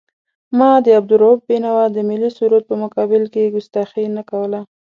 ما د عبدالرؤف بېنوا د ملي سرود په مقابل کې کستاخي نه کوله.